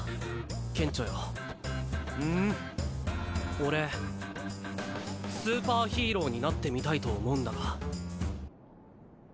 俺スーパーヒーローになってみたいと思うんだが。